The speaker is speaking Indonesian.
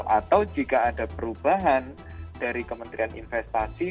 atau jika ada perubahan dari kementerian investasi